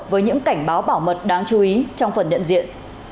với những cảnh báo bảo mật đáng chú ý trong phần nhận diện